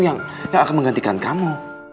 yang akan menggantikan kamu